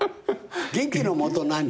元気のもと何？